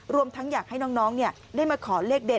รวมทั้งอยากให้น้องได้มาขอเลขเด็ด